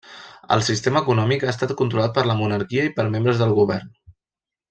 El sistema econòmic ha estat controlat per la monarquia i per membres del govern.